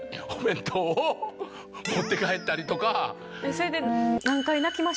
それで。